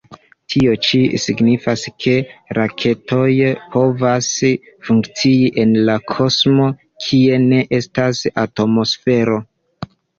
Tio ĉi signifas ke raketoj povas funkcii en la kosmo, kie ne estas atmosfero.